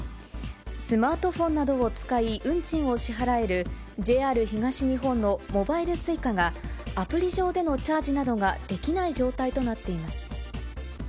スマートフォンなどを使い、運賃を支払えるＪＲ東日本のモバイルＳｕｉｃａが、アプリ上でのチャージなどができない状態となっています。